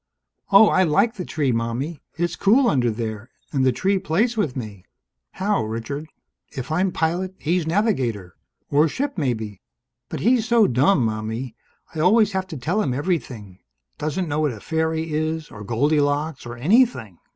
"Oh, I like the tree, Mommie. It's cool under there. And the tree plays with me." "How, Richard?" "If I'm pilot, he's navigator. Or ship, maybe. But he's so dumb, Mommie! I always have to tell him everything. Doesn't know what a fairy is, or Goldilocks, or anything!"